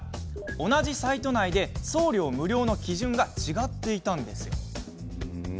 同じサイト内で送料無料の基準が違ってたんです。